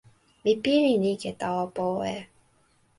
mi pilin ike tawa powe.